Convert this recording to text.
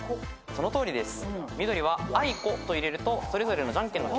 そのとおりです。